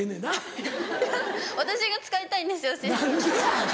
いや私が使いたいんですよ。